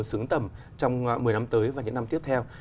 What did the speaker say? xứng tầm trong một mươi năm tới và những năm tiếp theo